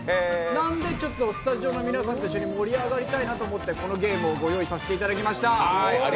なんでスタジオの皆さんと一緒に盛り上がりたいなと思って、このゲームをご用意しました。